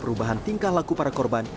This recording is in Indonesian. perubahan tingkah laku para korban